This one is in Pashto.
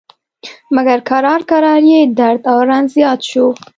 مګر کرار کرار یې درد او رنځ زیات شو.